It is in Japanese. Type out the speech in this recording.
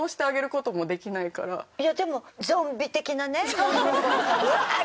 いやでもゾンビ的なねワーッ！